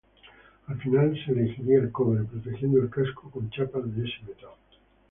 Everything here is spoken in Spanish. Al final se elegiría el cobre, protegiendo el casco con chapas de este metal.